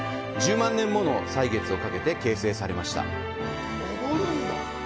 １０万年もの歳月をかけて形成されました。